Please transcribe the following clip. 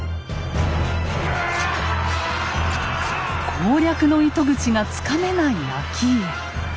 攻略の糸口がつかめない顕家。